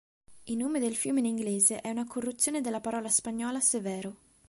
Il nome del fiume in inglese è una corruzione della parola spagnola "severo".